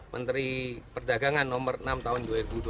menteri perdagangan nomor enam tahun dua ribu dua puluh